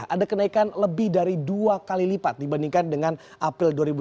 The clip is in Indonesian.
ada kenaikan lebih dari dua kali lipat dibandingkan dengan april dua ribu dua puluh